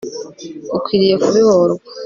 Ukwiriye kubihorwa